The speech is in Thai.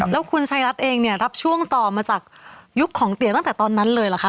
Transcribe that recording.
แล้วคุณชายรัฐเองเนี่ยรับช่วงต่อมาจากยุคของเตี๋ยตั้งแต่ตอนนั้นเลยเหรอคะ